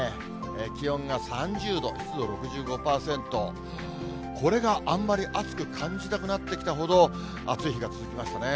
気温が３０度、湿度６５％、これがあんまり暑く感じなくなってきたほど、暑い日が続きましたね。